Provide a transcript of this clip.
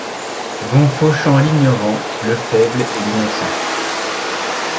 Vont fauchant l’ignorant, le faible et l’innocent ;